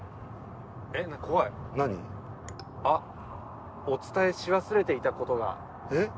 「あっお伝えし忘れていたことが」えっ？